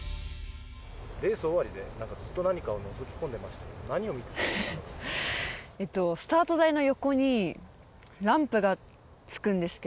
レース終わりでずっと何かをのぞき込んでましたけど何を見てたんですか？